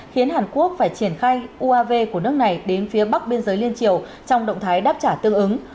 khiến hàn quốc phải triển khai uav của nước này đến phía bắc biên giới liên triều trong động thái đáp trả tương ứng